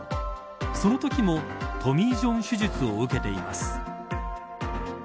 そのときもトミー・ジョン手術を受けています。